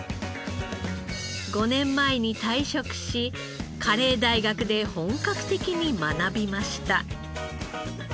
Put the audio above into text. ５年前に退職しカレー大學で本格的に学びました。